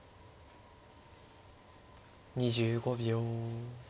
２５秒。